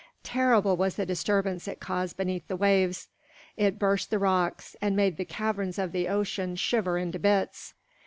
Terrible was the disturbance it caused beneath the waves. It burst the rocks and made the caverns of the ocean shiver into bits.